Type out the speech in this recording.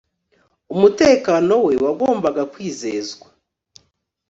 Umutekano we wagombaga kwizezwa